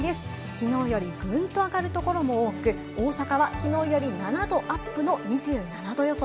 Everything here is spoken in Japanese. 昨日よりグンと上がる所も多く、大阪は昨日より７度アップの２７度の予想。